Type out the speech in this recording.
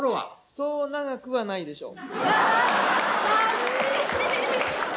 そう長くはないでしょう。